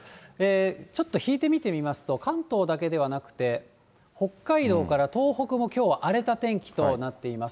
ちょっと引いて見てみますと、関東だけではなくて、北海道から東北もきょうは荒れた天気となっています。